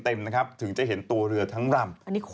ถึงจะเห็นจะเห็นรับเรือทั้งลำ